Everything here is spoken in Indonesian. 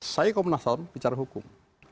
saya komnas ham bicara hukum